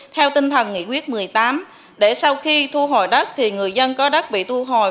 theo tinh thần nghị quyết một mươi tám để sau khi thu hồi đất thì người dân có đất bị thu hồi